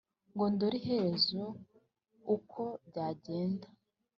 Ngo ndore iherezo ukwo byagenda,